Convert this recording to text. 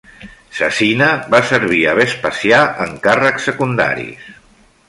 Cecina va servir a Vespasià en càrrecs secundaris.